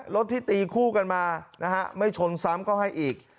รถที่ตีคู่กันมานะฮะไม่ชนซ้ำก็ให้อีก